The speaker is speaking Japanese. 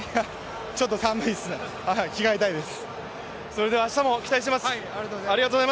ちょっと寒いです、着替えたいです。